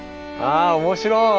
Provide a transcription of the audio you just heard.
あ面白い！